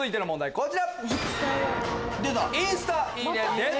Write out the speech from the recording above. こちら。